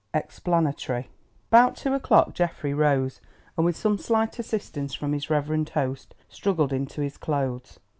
EXPLANATORY About two o'clock Geoffrey rose, and with some slight assistance from his reverend host, struggled into his clothes.